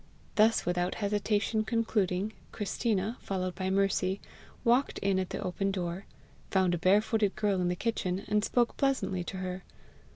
Thus without hesitation concluding, Christina, followed by Mercy, walked in at the open door, found a barefooted girl in the kitchen, and spoke pleasantly to her.